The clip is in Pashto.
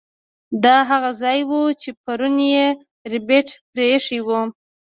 دا هغه ځای و چې پرون یې ربیټ پریښی و